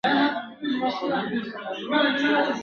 زه به نه یم ستا جلګې به زرغونې وي !.